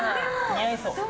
似合いそう。